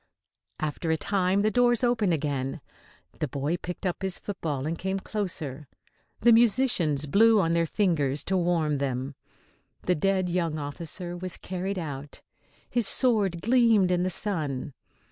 After a time the doors opened again. The boy picked up his football and came closer. The musicians blew on their fingers to warm them. The dead young officer was carried out. His sword gleamed in the sun.